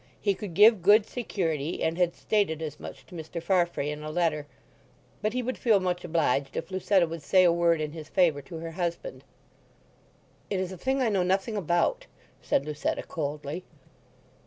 He could give good security, and had stated as much to Mr. Farfrae in a letter; but he would feel much obliged if Lucetta would say a word in his favour to her husband. "It is a thing I know nothing about," said Lucetta coldly.